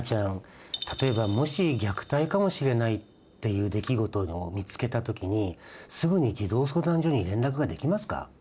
例えばもし虐待かもしれないっていう出来事を見つけた時にすぐに児童相談所に連絡ができますか？